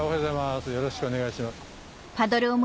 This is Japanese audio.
よろしくお願いします。